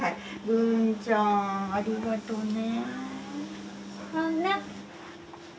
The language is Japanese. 文ちゃんありがとね。